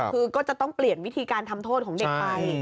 คือก็จะต้องเปลี่ยนวิธีการทำโทษของเด็กไป